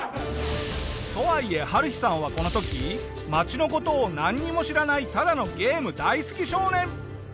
とはいえハルヒさんはこの時町の事をなんにも知らないただのゲーム大好き少年。